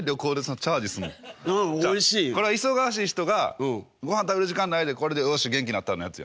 これは忙しい人がごはん食べる時間ないでこれでよし元気になったのやつやん。